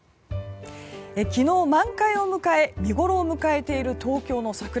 昨日満開を迎え見ごろを迎えている東京の桜。